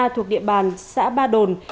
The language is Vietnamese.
thuộc địa bàn xã ba đồn